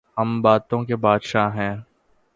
ہم باتوں کے بادشاہ ہیں۔